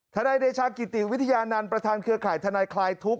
นายเดชากิติวิทยานันต์ประธานเครือข่ายทนายคลายทุกข